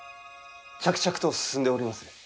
着々と進んでおりまする。